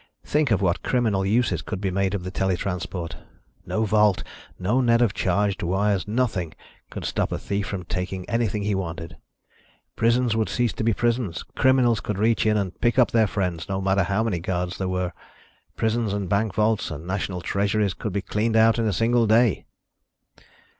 Think of what criminal uses could be made of the tele transport. No vault, no net of charged wires, nothing, could stop a thief from taking anything he wanted. Prisons would cease to be prisons. Criminals could reach in and pick up their friends, no matter how many guards there were. Prisons and bank vaults and national treasuries could be cleaned out in a single day."